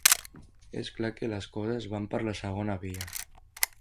És clar que les coses van per la segona via.